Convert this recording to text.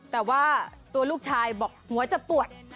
แต่ว่าตัวลูกชายบอกหัวจะปวด